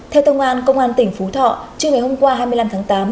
theo công an công an tỉnh phú thọ trước ngày hôm qua hai mươi năm tháng tám